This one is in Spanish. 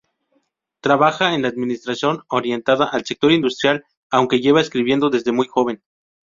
Trabaja en la administración orientada al sector industrial, aunque lleva escribiendo desde muy joven.